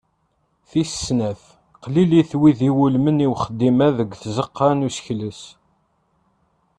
Tis snat, qlilit wid itewlen i uxeddim-a deg tzeqqa n usekles.